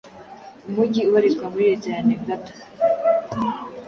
umujyi ubarizwa muri Leta ya Nevada,